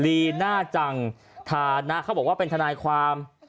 ลีน่าจังฐานะเขาบอกว่าเป็นทนายความ